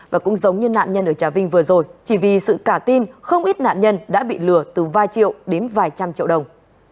và cũng giống như nạn nhân ở trà vinh vừa rồi chỉ vì sự cả tin không ít nạn nhân đã bị lừa từ vài triệu đến vài trăm triệu đồng